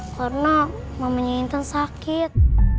karena mamanya intan sakit